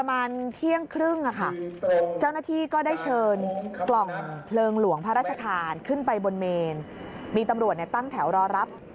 มีตำรวจเนี่ยตั้งแถวรอรับ